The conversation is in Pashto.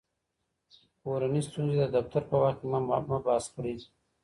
کورني ستونزې د دفتر په وخت کې مه بحث کړئ.